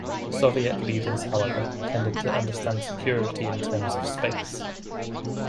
Soviet leaders, however, tended to understand security in terms of space.